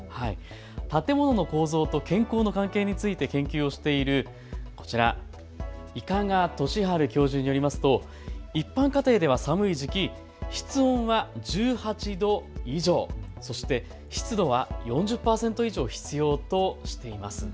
建物の構造と健康の関係について研究をしているこちら、伊香賀俊治教授によりますと一般家庭では寒い時期、室温は１８度以上、湿度は４０％以上、必要としています。